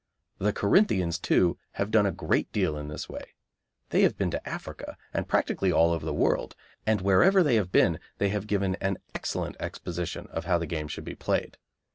The Corinthians, too, have done a great deal in this way. They have been to Africa, and practically all over the world, and wherever they have been they have given an excellent exposition of how the game should be played.